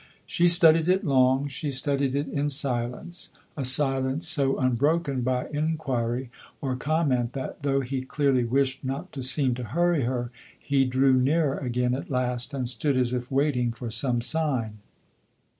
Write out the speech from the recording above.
She studied it long, she studied it in silence a silence so unbroken by inquiry or com ment that, though he clearly wished not to seem to hurry her, he drew nearer again at last and stood as if waiting for some sign.